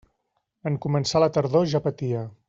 En començar la tardor ja patia.